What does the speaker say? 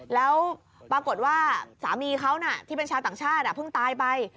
แล้วปรากฏว่าสามีเขาที่เป็นชาวต่างชาติเพิ่งตายไป